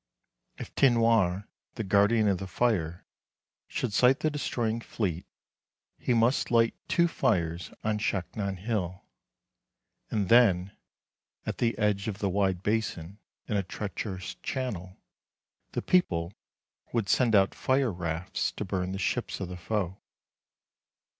If Tinoir, the Guardian of the Fire, should sight the destroying fleet, he must light two fires on Shaknon Hill, and then, at the edge of the wide basin, in a treacherous channel, the people would send out fire rafts to burn the ships of the foe.